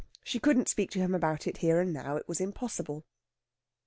she couldn't speak to him about it here and now. It was impossible.